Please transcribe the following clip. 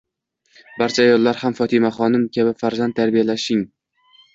Barcha ayollar ham Fotimaxonim kabi farzand tarbiyalashning